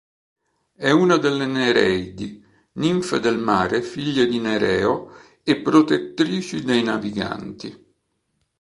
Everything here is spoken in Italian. È una delle Nereidi, ninfe del mare figlie di Nereo e protettrici dei naviganti.